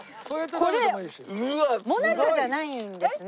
これもなかじゃないんですね